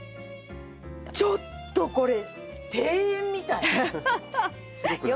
ちょっとこれ庭園みたい！